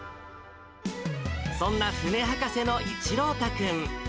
そんな船博士の一朗太君。